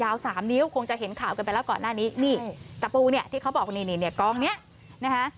สามนิ้วคงจะเห็นข่าวกันไปแล้วก่อนหน้านี้นี่ตะปูเนี่ยที่เขาบอกนี่นี่เนี่ยกองเนี้ยนะคะ